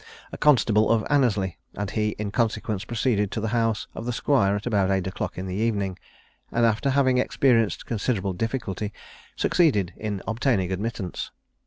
A constable of Annesley and he in consequence proceeded to the house of the squire at about eight o'clock in the evening, and after having experienced considerable difficulty, succeeded in obtaining admittance.